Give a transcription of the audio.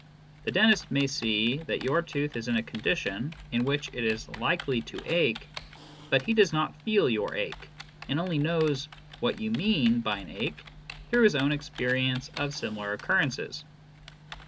The dentist may see that your tooth is in a condition in which it is likely to ache, but he does not feel your ache, and only knows what you mean by an ache through his own experience of similar occurrences.